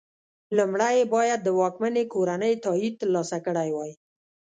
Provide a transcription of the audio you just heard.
لومړی یې باید د واکمنې کورنۍ تایید ترلاسه کړی وای.